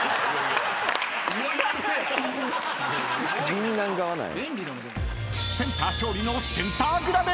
ぎんなん側なんや。